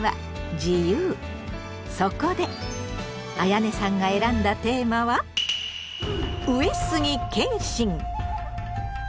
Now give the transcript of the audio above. そこであやねさんが選んだテーマは「上杉謙信」！